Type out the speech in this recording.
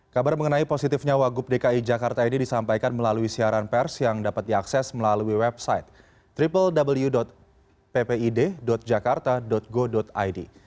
kabar mengenai positifnya wagub dki jakarta ini disampaikan melalui siaran pers yang dapat diakses melalui website www ppid jakarta go id